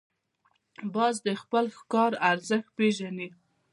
باز د خپل ښکار ارزښت پېژني